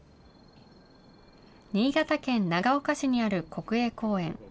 新潟県長岡市にある国営公園。